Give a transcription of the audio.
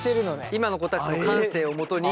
今の子たちの感性をもとに。